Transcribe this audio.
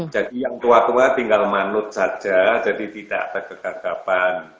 jadi yang tua tua tinggal manut saja jadi tidak ada kegagapan